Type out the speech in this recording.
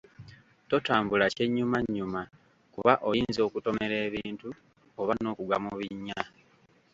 Totambula kyennyumannyuma kuba oyinza okutomera ebintu oba n'okugwa mu binnya.